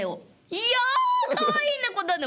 いやあかわいい猫だね。